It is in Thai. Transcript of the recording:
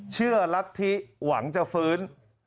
เชื่อรักษ์ที่หวังจะฟื้น